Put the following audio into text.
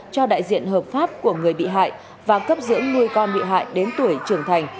cho đại diện hợp pháp của người bị hại và cấp dưỡng nuôi con bị hại đến tuổi trưởng thành